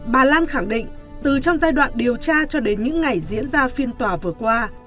bà lan khẳng định từ trong giai đoạn điều tra cho đến những ngày diễn ra phiên tòa vừa qua